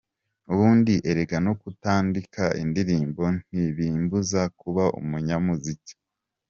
Ubundi erega no kutandika indirimbo ntibimbuza kuba umunyamuziki.